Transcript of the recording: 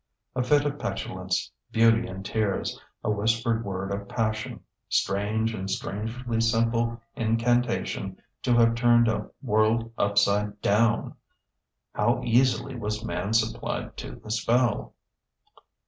A fit of petulance, beauty in tears, a whispered word of passion: strange and strangely simple incantation to have turned a world upside down! How easily was man suppled to the spell!